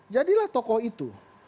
jadilah tokoh itu